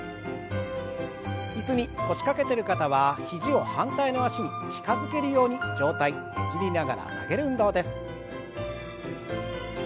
椅子に腰掛けてる方は肘を反対の脚に近づけるように上体ねじりながら曲げる運動です。